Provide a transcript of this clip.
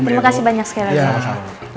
ya terima kasih banyak sekali